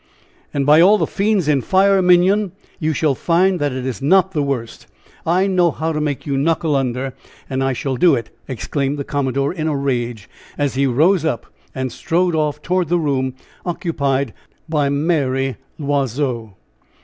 "And by all the fiends in fire, Minion! you shall find that it is not the worst. I know how to make you knuckle under, and I shall do it!" exclaimed the commodore in a rage, as he rose up and strode off toward the room occupied by Mary L'Oiseau.